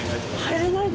入れない？